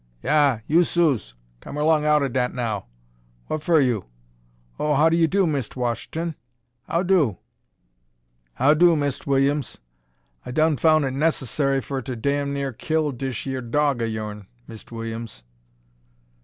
"Yah, you Suse, come erlong outa dat now. What fer you Oh, how do, how do, Mist' Wash'ton how do?" "How do, Mist' Willums? I done foun' it necessa'y fer ter damnearkill dish yer dawg a yourn, Mist' Willums."